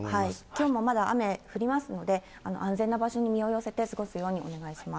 きょうもまだ雨、降りますので、安全な場所に身を寄せて過ごすようにお願いします。